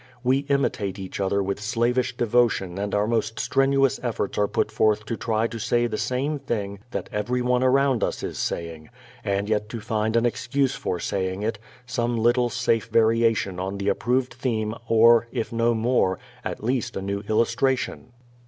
We imitate each other with slavish devotion and our most strenuous efforts are put forth to try to say the same thing that everyone around us is saying and yet to find an excuse for saying it, some little safe variation on the approved theme or, if no more, at least a new illustration.